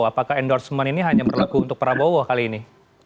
apakah endorsement ini hanya berlaku untuk prabowo kali ini